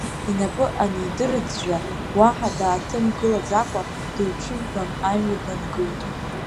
Инапы анидырӡәӡәа, уаҳа дааҭымгылаӡакәа, дыҩҽыжәлан, амҩа днангылт.